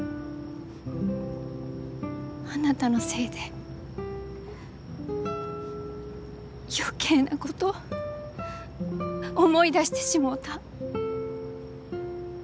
あなたのせいで余計なこと思い出してしもうた。